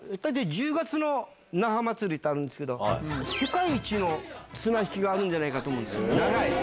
１０月の那覇祭りってあるんですけど世界一長い綱引きがあるんじゃないかと思うんですよ。